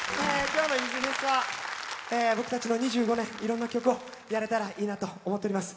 今日のゆずフェスは僕たちの２５年いろんな曲をやれたらいいなと思っております。